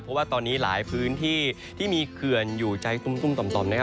เพราะว่าตอนนี้หลายพื้นที่ที่มีเขื่อนอยู่ใจตุ้มต่อมนะครับ